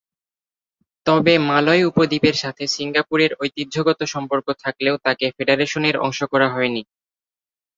তবে মালয় উপদ্বীপের সাথে সিঙ্গাপুরের ঐতিহ্যগত সম্পর্ক থাকলেও তাকে ফেডারেশনের অংশ করা হয়নি।